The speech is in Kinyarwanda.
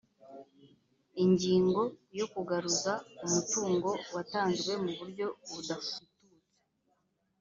ingingo yo kugaruza umutungo watanzwemuburyo budafitutse